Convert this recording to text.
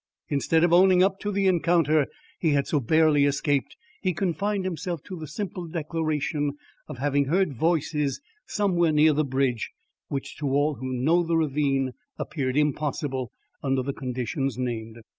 Instead of owning up to the encounter he had so barely escaped, he confined himself to the simple declaration of having heard voices somewhere near the bridge, which to all who know the ravine appeared impossible under the conditions named.